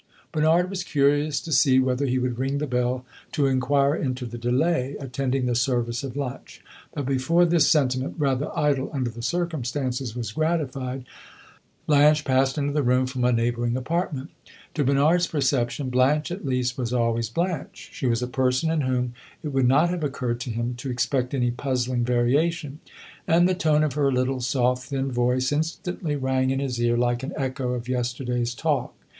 Bernard was curious to see whether he would ring the bell to inquire into the delay attending the service of lunch; but before this sentiment, rather idle under the circumstances, was gratified, Blanche passed into the room from a neighboring apartment. To Bernard's perception Blanche, at least, was always Blanche; she was a person in whom it would not have occurred to him to expect any puzzling variation, and the tone of her little, soft, thin voice instantly rang in his ear like an echo of yesterday's talk.